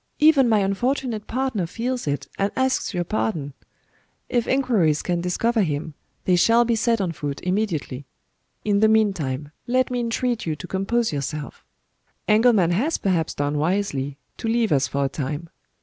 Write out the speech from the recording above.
Even my unfortunate partner feels it, and asks your pardon. If inquiries can discover him, they shall be set on foot immediately. In the meantime, let me entreat you to compose yourself. Engelman has perhaps done wisely, to leave us for a time.